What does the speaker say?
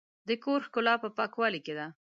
د کور ښکلا په پاکوالي کې ده.